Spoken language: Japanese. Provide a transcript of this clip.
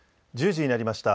１０時になりました。